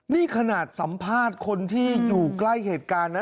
นี่ขนาดสัมภาษณ์คนที่อยู่ใกล้เหตุการณ์นะ